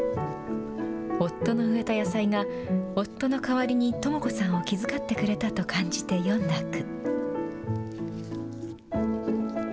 夫の植えた野菜が、夫の代わりにトモ子さんを気遣ってくれたと感じて詠んだ句。